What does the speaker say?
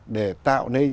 để tạo nên